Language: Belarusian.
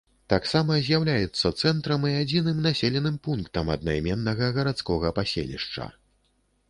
Таксама з'яўляецца цэнтрам і адзіным населеным пунктам аднайменнага гарадскога паселішча.